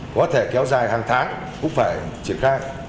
có thể kéo dài hàng tháng cũng phải triển khai